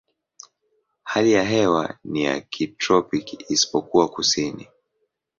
Hali ya hewa ni ya kitropiki isipokuwa kusini.